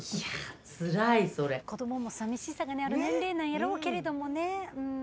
子どもも寂しさがある年齢なんやろうけれどもね。